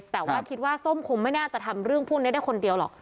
แต่ว่าคิดว่าส้มคงไม่น่าจะทำเรื่องพวกนี้ได้คนเดียวหรอก